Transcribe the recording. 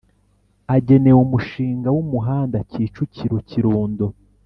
Agenewe umushinga w umuhanda kicukirokirundo